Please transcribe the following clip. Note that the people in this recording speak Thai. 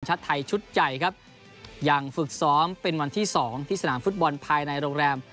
ไทยชุดใหญ่ครับยังฝึกซ้อมเป็นวันที่๒ที่สนามฟุตบอลภายในโรงแรม